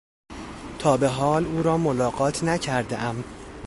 تا بحال او را ملاقات نکردهام.